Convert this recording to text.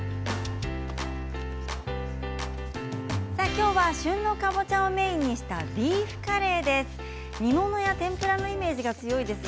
今日は旬のかぼちゃをメインにしたビーフカレーです。